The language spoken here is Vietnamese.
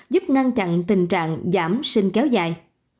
giúp ngăn chặn tình trạng giảm sinh kéo dài